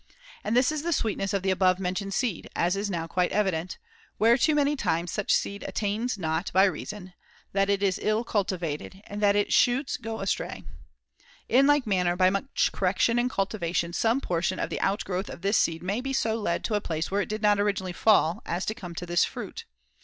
And this is the sweet ness of the above mentioned seed (as is now quite evident), whereto many times such seed attains not, by reason that it is ill culti vated and that its shoots go astray. In like manner, by much correction and cultivation some portion of the out growth of this seed may be so led to a place where it did not originally fall as to come to this fruit.